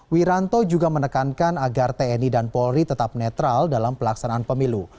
wiranto juga menekankan agar tni dan polri tetap netral dalam pelaksanaan pemilu